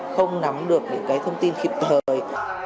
không nắm được những cái thông tin khiếp thời